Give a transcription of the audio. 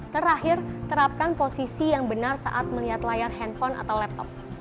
terakhir terapkan posisi yang benar saat melihat layar handphone atau laptop